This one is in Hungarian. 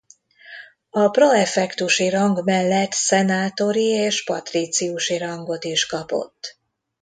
A praefectusi rang mellett szenátori és patríciusi rangot is kapott.